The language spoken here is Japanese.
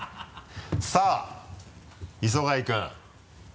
さぁ磯貝君。